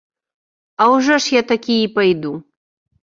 А ўжо ж я такі і пайду.